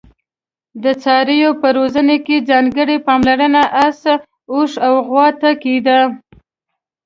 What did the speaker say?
د څارویو په روزنه کې ځانګړي پاملرنه اس، اوښ او غوا ته کېده.